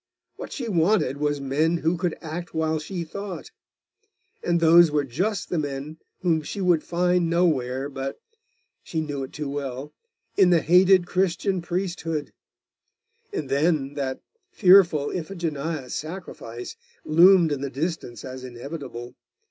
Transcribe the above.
What she wanted was men who could act while she thought. And those were just the men whom she would find nowhere but she knew it too well in the hated Christian priesthood. And then that fearful Iphigenia sacrifice loomed in the distance as inevitable.